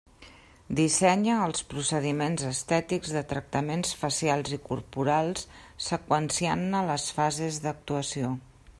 Dissenya els procediments estètics de tractaments facials i corporals seqüenciant-ne les fases d'actuació.